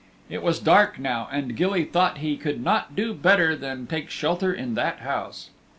It was dark now and Gilly thought he could not do better than take shelter in that house.